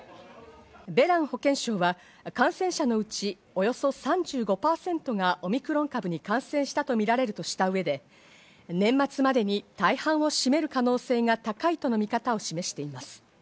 ベラン保健相は感染者のうち、およそ３５％がオミクロン株に感染したとみられるとした上で、年末までに大半を占める可能性が高いとの見方を示しています。